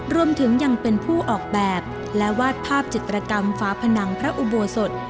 รวมถึงยังเป็นผู้ออกแบบและวาดภาพจิตรกรรมฟ้าผนังพระอุโบสถ